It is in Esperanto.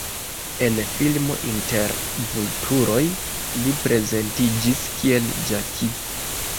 En filmo Inter vulturoj li prezentiĝis kiel Jackie.